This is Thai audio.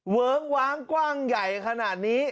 เวิ้งว้างกว้างใหญ่ขนาดนี้